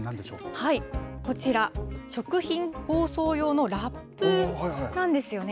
こちら、食品包装用のラップなんですよね。